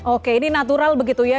oke ini natural begitu ya